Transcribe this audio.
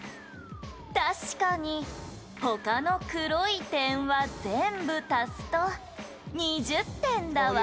「確かに他の黒い点は全部足すと２０点だわ」